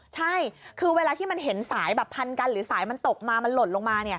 ใช่คือเวลาที่มันเห็นสายแบบพันกันหรือสายมันตกมามันหล่นลงมา